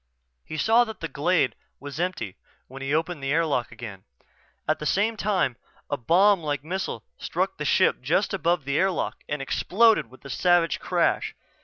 He saw that the glade was empty when he opened the airlock again. At the same time a bomb like missile struck the ship just above the airlock and exploded with a savage crash.